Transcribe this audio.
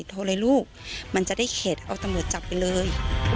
โทรเลยลูกมันจะได้เข็ดเอาตำรวจจับไปเลย